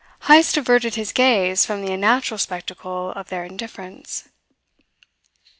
Heyst averted his gaze from the unnatural spectacle of their indifference.